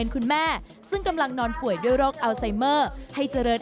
คุณแม่ซึ่งกำลังนอนป่วยด้วยโรคอัลไซเมอร์ให้เจริญ